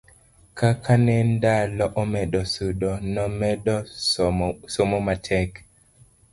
kaka ne ndalo omedo sudi namedo somo matek